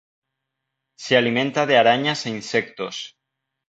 Se alimenta de arañas e insectos.